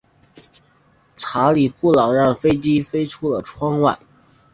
查理布朗让飞机飞出了窗外。